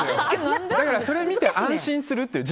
だからそれを見て安心するっていう。